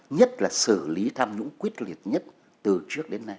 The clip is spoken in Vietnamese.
nhất là xử lý tham nhũng quyết liệt nhất từ trước đến nay